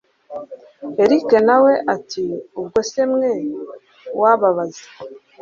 erick nawe ati ubwo se mwe uwababaza